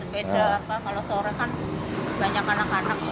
beda kalau seorang kan banyak anak anak